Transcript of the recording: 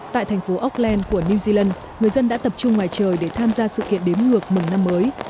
tại thành phố auckland của new zealand người dân đã tập trung ngoài trời để tham gia sự kiện đếm ngược mừng năm mới